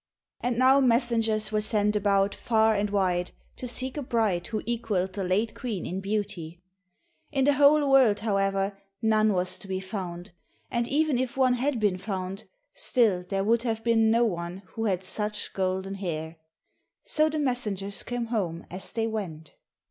And now messengers were sent about far and wide, to seek a bride who equalled the late Queen in beauty. In the whole world, however, none was to be found, and even if one had been found, still there would have been no one who had such golden hair. So the messengers came home as they went.